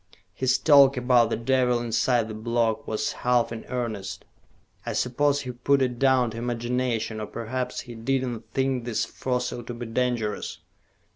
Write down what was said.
His talk about the devil inside the block was half in earnest. I suppose he put it down to imagination, or perhaps he did not think this fossil to be dangerous."